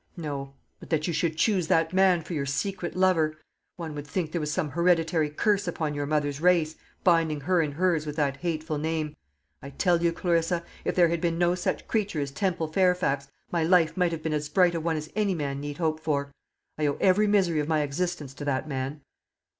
no. But that you should choose that man for your secret lover! One would think there was some hereditary curse upon your mother's race, binding her and hers with that hateful name. I tell you, Clarissa, that if there had been no such creature as Temple Fairfax, my life might have been as bright a one as any man need hope for. I owe every misery of my existence to that man."